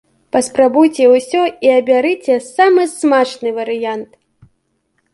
Паспрабуйце усё і абярыце самы смачны варыянт!